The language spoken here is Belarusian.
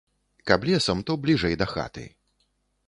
Каб лесам, то бліжэй да хаты.